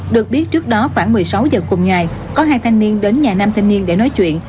được biết trước đó khoảng một mươi sáu giờ cùng ngày có hai thanh niên đến nhà nam thanh niên để nói chuyện